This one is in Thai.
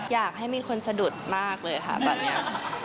อยากให้มีคนสะดุดมากเลยค่ะตอนนี้